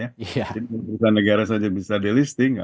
jadi perusahaan negara saja bisa delisting